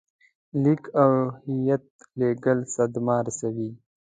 لیک او هیات لېږل صدمه رسوي.